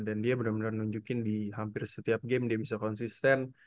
dan dia bener bener nunjukin di hampir setiap game dia bisa konsisten